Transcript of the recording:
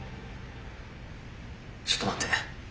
ちょっと待って。